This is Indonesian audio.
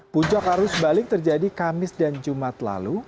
puncak arus balik terjadi kamis dan jumat lalu